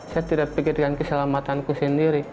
saya tidak pikirkan keselamatanku sendiri